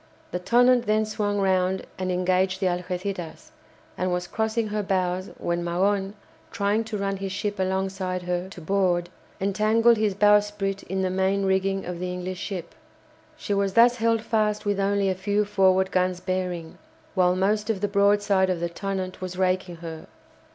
The "Tonnant" then swung round and engaged the "Algéciras," and was crossing her bows when Magon, trying to run his ship alongside her, to board, entangled his bowsprit in the main rigging of the English ship. She was thus held fast with only a few forward guns bearing, while most of the broadside of the "Tonnant" was raking her.